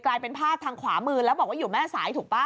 กลายเป็นภาพทางขวามือแล้วบอกว่าอยู่แม่สายถูกป่ะ